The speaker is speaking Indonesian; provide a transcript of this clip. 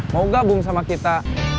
mau gabung sama kita